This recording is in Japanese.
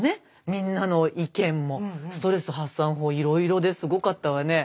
みんなの意見もストレス発散法いろいろですごかったわね。